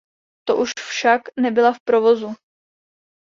To už však nebyla v provozu.